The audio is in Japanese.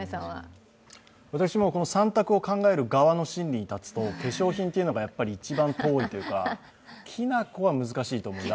私、この３択を考える側の心理に立つと化粧品が一番遠いというかきな粉は難しいと思います。